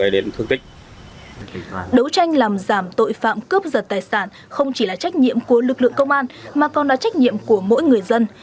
đấu tranh làm giảm tội phạm cướp giật tài sản không chỉ là trách nhiệm của lực lượng công an mà còn là trách nhiệm của mỗi người dân